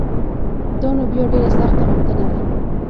دا نو بیا ډېره سخته غوښتنه ده